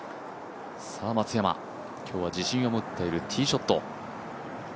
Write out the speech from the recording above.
さあ、松山、今日は自信を持っているティーショット。